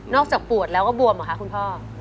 จากปวดแล้วก็บวมเหรอคะคุณพ่อ